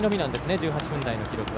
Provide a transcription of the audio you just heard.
１８分台の記録は。